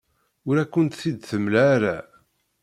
Ur akent-t-id-temla ara.